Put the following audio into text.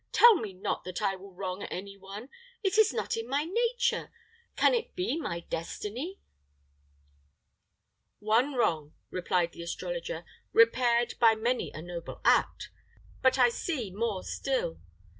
Tell me not that I will wrong any one; it is not in my nature can it be my destiny?" "One wrong," replied the astrologer, "repaired by many a noble act. But I see more still.